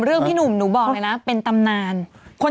พี่หนุ่มหนูบอกเลยนะเป็นตำนาน